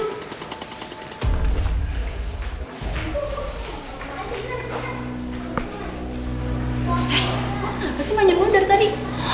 eh apa sih manja mundur tadi